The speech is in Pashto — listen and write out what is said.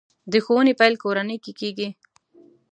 د ښوونې پیل کورنۍ کې کېږي.